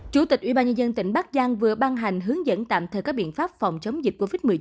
chủ tịch ubnd tỉnh bắc giang vừa ban hành hướng dẫn tạm thời các biện pháp phòng chống dịch covid một mươi chín